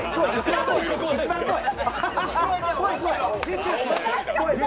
一番怖い。